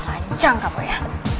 lancang kamu ya